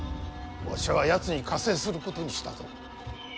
わしはやつに加勢することにしたぞ。